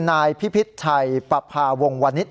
นายพิพิษไทยปรับภาวงวรรณิต